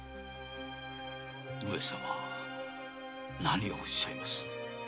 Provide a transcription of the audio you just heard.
何をおっしゃいます。